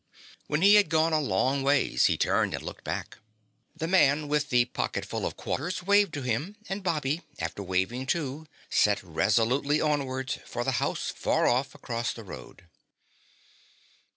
When he had gone a long ways he turned and looked back. The Man with the Pocketful of Quarters waved to him, and Bobby, after waving, too, set resolutely onwards for the house far off across the road.